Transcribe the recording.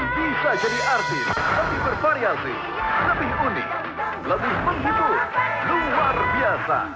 artis bervariasi artis unik artis menghibur luar biasa